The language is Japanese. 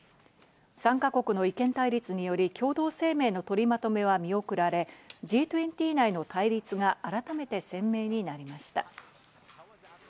参加国の意見対立により共同声明の取りまとめは見送られ、Ｇ２０内の対立が改めて鮮明になりました。